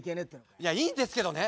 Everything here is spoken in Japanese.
いやいいんですけどね。